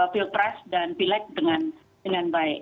pilpres dan pileg dengan baik